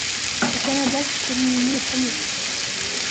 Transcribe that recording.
Le Canada fut éliminé au premier tour.